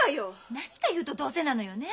何か言うと「どうせ」なのよね。